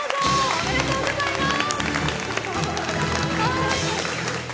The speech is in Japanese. おめでとうございます！